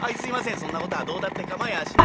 「そんなことはどうだって構いやしない。